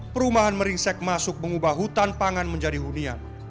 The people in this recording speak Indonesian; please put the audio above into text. perumahan meringsek masuk mengubah hutan pangan menjadi hunian